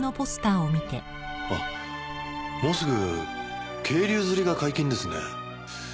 あっもうすぐ渓流釣りが解禁ですね。